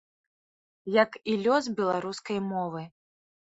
Як і лёс беларускай мовы.